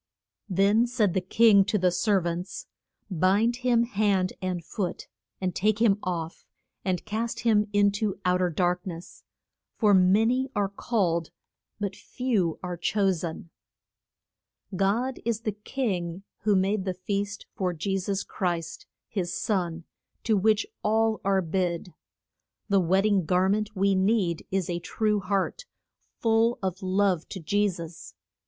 Then said the king to the ser vants, Bind him hand and foot and take him off, and cast him in to out er dark ness. For ma ny are called but few are cho sen. God is the king who made the feast for Je sus Christ, his son, to which all are bid. The wed ding gar ment we need is a true heart, full of love to Je sus.